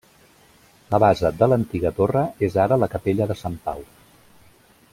La base de l'antiga torre és ara la Capella de Sant Pau.